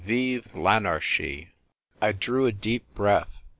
VIVE LANARCHIE / I DREW a deep breath.